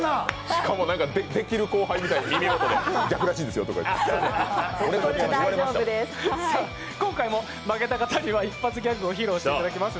しかもなんかできる後輩みたいに、耳元で「逆らしいですよ」って今回も負けた方には一発ギャグを披露していただきます。